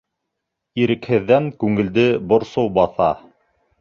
Ирекһеҙҙән күңелде борсоу баҫа.